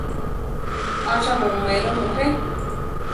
¿ acha mu oméro mujé?